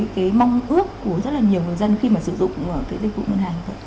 cái mong ước của rất là nhiều người dân khi mà sử dụng dịch vụ ngân hàng